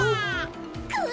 く！